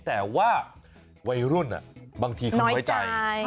แต่ว่าวัยรุ่นบางทีเขาไว้ใจ